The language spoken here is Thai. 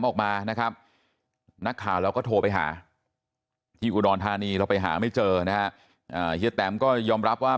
ออกมานะครับนักข่าวเราก็โทรไปหาที่อุดรธานีเราไปหาไม่เจอนะฮะเฮียแตมก็ยอมรับว่า